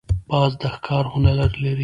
باز د ښکار هنر لري